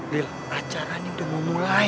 dil acara nih udah mau mulai